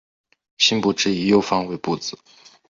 辛部只以右方为部字。